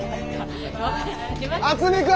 渥美君！